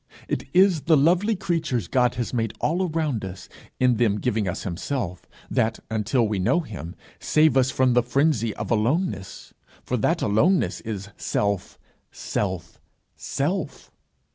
It is the lovely creatures God has made all around us, in them giving us himself, that, until we know him, save us from the frenzy of aloneness for that aloneness is Self, Self, Self.